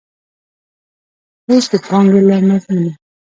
او د پانګې له مضمونه.